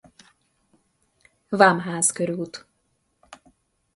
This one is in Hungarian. Vámház krt.